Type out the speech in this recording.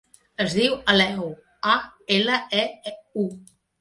Es diu Aleu: a, ela, e, u.